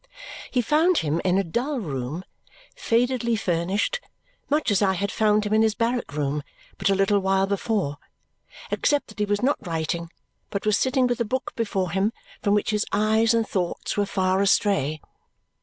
He found him in a dull room, fadedly furnished, much as I had found him in his barrack room but a little while before, except that he was not writing but was sitting with a book before him, from which his eyes and thoughts were far astray.